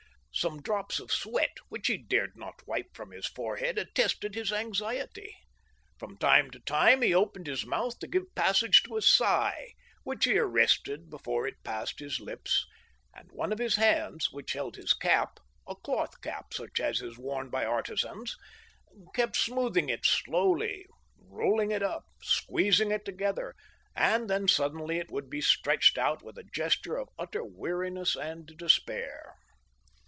Some drops of sweat, which he dared not wipe from his forehead, attested his anxiety. From time to time he opened his mouth to give passage to a sigh, which he arrested before it passed his lips ; and one of his hands, which held his cap, a cloth cap such as is worn by artisans, kept smoothing it slowly, rolling it up, squeezing it together, and then suddenly it would be stretched out with a gesture of utter ' weariness and despair.